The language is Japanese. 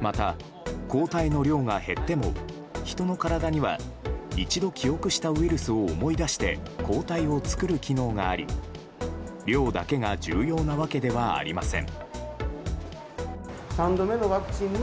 また、抗体の量が減っても人の体には一度記憶したウイルスを思い出して抗体を作る機能があり量だけが重要なわけではありません。